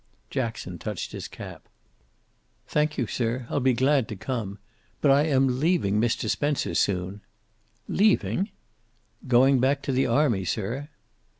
Jackson touched his cap. "Thank you, sir, I'll be glad to come. But I am leaving Mr. Spencer soon." "Leaving!" "Going back to the army, sir."